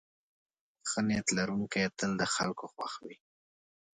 ښه نیت لرونکی تل د خلکو خوښ وي.